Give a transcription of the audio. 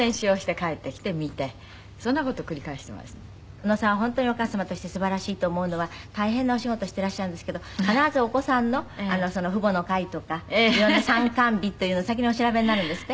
小野さんは本当にお母様としてすばらしいと思うのは大変なお仕事してらっしゃるんですけど必ずお子さんの父母の会とか色んな参観日というのを先にお調べになるんですって？